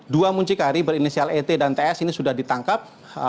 dua muncikari berinisial et dan ts ini sudah ditangkap